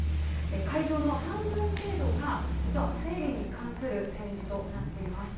会場の半分程度が、実は生理に関する展示となっています。